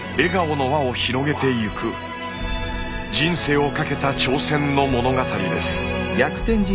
人生を懸けた挑戦の物語です。